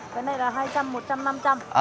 cái này là hai trăm linh một trăm linh năm trăm linh